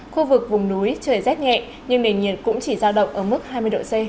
khu vực vùng núi trời rét nhẹ nhưng nền nhiệt cũng chỉ giao động ở mức hai mươi độ c